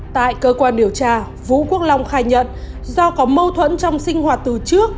tại cơ quan điều tra vũ quốc long khai nhận do có mâu thuẫn trong sinh hoạt từ trước